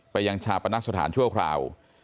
ยังชาปนสถานชั่วคราว